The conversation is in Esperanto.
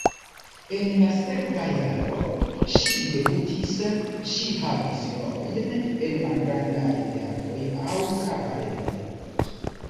En la sekva jaro ŝi debutis, ŝi havis rolojn en malgrandaj teatroj aŭ kabaredoj.